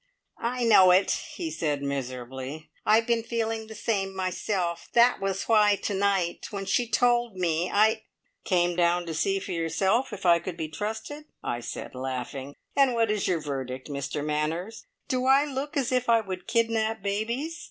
"I know it," he said miserably. "I've been feeling the same myself. That was why to night when she told me, I " "Came down to see for yourself if I could be trusted!" I said laughing. "And what is your verdict, Mr Manners? Do I look as if I would kidnap babies?